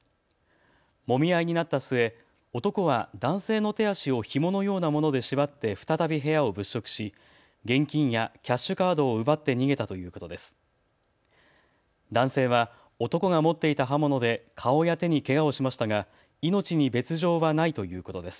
もみ合いになった末、男は男性の手足をひものようなもので縛って再び部屋を物色し現金やキャッシュカードを奪って逃げたということです。